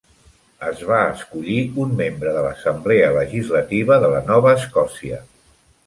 Es va escollir un membre de l"Assemblea Legislativa de la Nova Escòcia.